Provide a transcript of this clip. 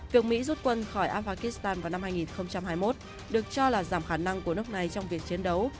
việc mỹ rút quân khỏi afghanistan vào năm hai nghìn hai mươi một được cho là giảm khả năng của nước này trong việc chiến đấu